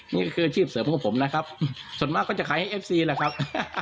นี่ก็คืออาชีพเสริมของผมนะครับส่วนมากก็จะขายให้เอฟซีแหละครับ